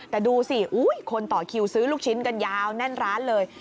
แต่ดูสิคนต่อคิวซื้อลูกชิ้นกันยาวแน่นร้านเลย